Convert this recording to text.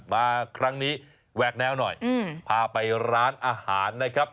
มาครั้งนี้แวกแนวหน่อยพาไปร้านอาหารนะครับ